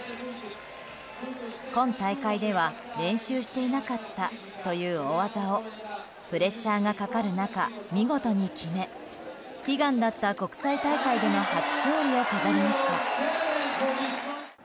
今大会では練習していなかったという大技をプレッシャーがかかる中見事に決め悲願だった国際大会での初勝利を飾りました。